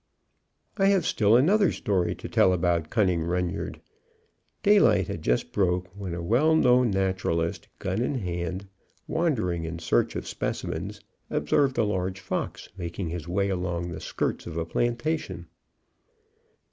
I have still another story to tell about cunning Reynard. Daylight had just broke, when a well known naturalist, gun in hand, wandering in search of specimens, observed a large fox making his way along the skirts of a plantation.